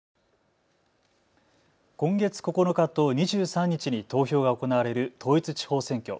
今月９日と２３日に投票が行われる統一地方選挙。